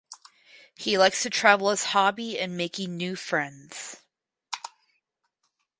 He likes to travel as hobby and making new friends.